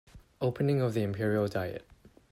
Opening of the Imperial diet